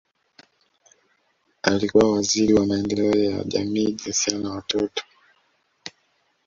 Alikuwa Waziri wa Maendeleo ya Jamii Jinsia na Watoto